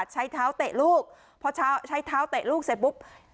ใช้เท้าเตะลูกพอใช้เท้าเตะลูกเสร็จปุ๊บ